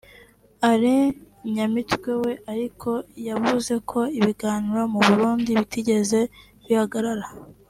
Alain Nyamitwe we ariko yavuze ko ibiganiro mu Burundi bitigeze bihagarara